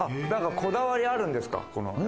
こだわりあるんですか？